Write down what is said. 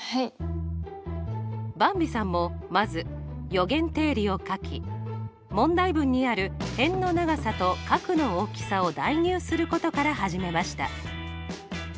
ばんびさんもまず余弦定理を書き問題文にある辺の長さと角の大きさを代入することから始めました。